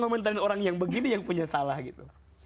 komentarin orang yang begini yang punya salah gitu